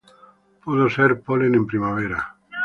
Puedo ser polen en primavera.